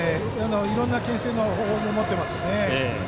いろんなけん制の方法も持っていますし。